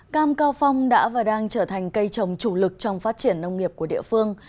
cam cao phong đã và đang trở thành cây trồng chủ lực trong phát triển nông nghiệp của địa phương